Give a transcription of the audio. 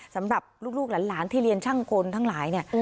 สำหรับลูกหลานที่เรียนช่างกลทั้งหลายเนี่ย